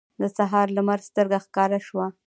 د سهار لمر سترګه ښکاره شوه.